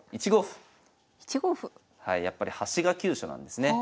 やっぱり端が急所なんですね。